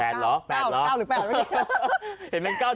แอบเหรอแอบเหรอหรือแอบเหรอ